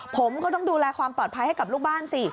ผมก็ต้องดูแลความปลอดภัยให้กับลูกบ้านสิ